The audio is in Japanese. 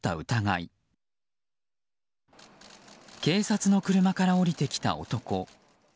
警察の車から降りてきた男。